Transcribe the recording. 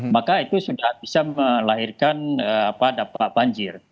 maka itu sudah bisa melahirkan dampak banjir